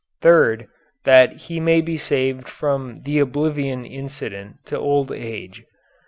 Third, that he may be saved from the oblivion incident to old age.